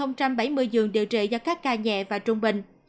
ba bảy mươi giường điều trị cho các ca nhẹ và trung bình